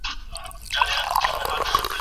د بدو رواجونو د اصلاح لپاره يې مشورتي لارې کارولې.